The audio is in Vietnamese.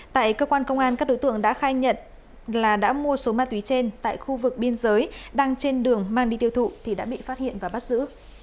tại cơ quan công an các đối tượng đã khai nhận là đã mua số ma túy trên tại khu vực biên giới đang trên đường mang đi tiêu thụ thì đã bị phát hiện và bắt giữ